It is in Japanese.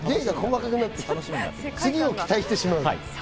次を期待してしまう。